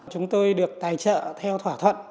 chúng tôi được tài trợ theo thỏa thuận